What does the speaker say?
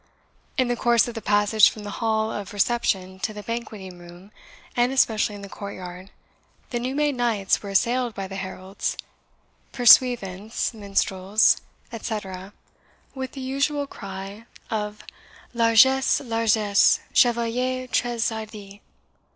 In the course of the passage from the hall of reception to the banqueting room, and especially in the courtyard, the new made knights were assailed by the heralds, pursuivants, minstrels, etc., with the usual cry of LARGESSE, LARGESSE, CHEVALIERS TRES HARDIS!